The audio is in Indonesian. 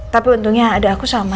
tapi untungnya ada aku sama